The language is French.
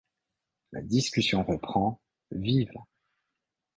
La discussion reprend, vive.